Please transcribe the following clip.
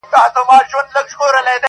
• سمدستي به ټولي سر سوې په خوړلو -